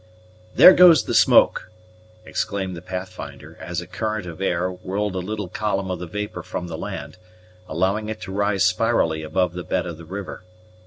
"There goes the smoke!" exclaimed the Pathfinder, as a current of air whirled a little column of the vapor from the land, allowing it to rise spirally above the bed of the river.